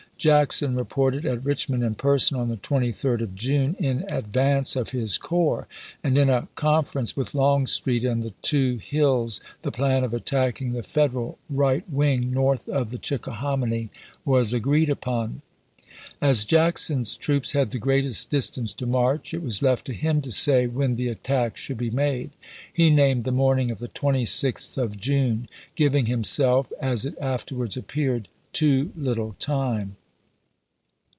Jackson reported at Eichmond in person on the 23d of June, in advance of his corps ; and in a confer 1862. ence with Longstreet and the two Hills the plan of attacking the Federal right wing, north of the Chickahominy, was agreed upon. As Jackson's troops had the greatest distance to march, it was left to him to say when the attack should be made. He named the morning of the 26th of June, giving himself, as it afterwards appeared, too little time.